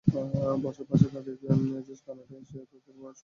বছর পাঁচেক আগে এজাজ কানাডায় এসে ওদের সঙ্গে কাজ করে গেছে।